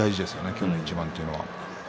今日の一番というのは。